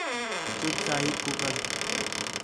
چُپ ساں ہِک کُکڑ